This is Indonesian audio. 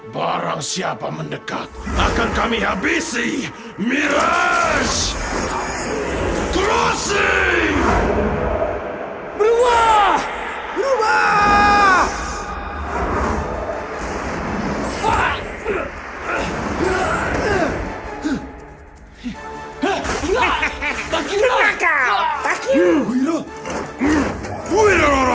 barangsiapa mendekat akan kami habisi mirage kruisi berubah berubah